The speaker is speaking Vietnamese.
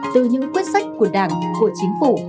từ những quyết sách của đảng của chính phủ